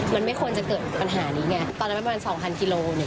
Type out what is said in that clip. มันไม่ควรจะเกิดปัญหานี้ไงตอนแรกประมาณ๒๐๐๐กิโลบาท